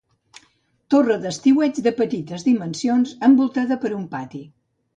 Torre d'estiueig de petites dimensions envoltada per un pati.